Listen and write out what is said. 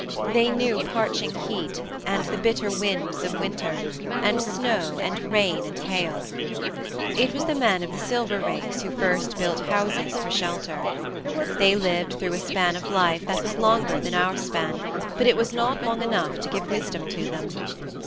They knew parching heat, and the bitter winds of winter, and snow and rain and hail. It was the men of the Silver Race who first built houses for shelter. They lived through a span of life that was longer than our span, but it was not long enough to give wisdom to them.